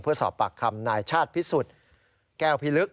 เพื่อสอบปากคำนายชาติพิสุทธิ์แก้วพิลึก